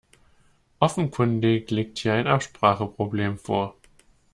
Offenkundig liegt hier ein Abspracheproblem vor.